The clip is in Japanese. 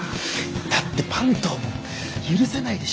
だって坂東も許せないでしょ？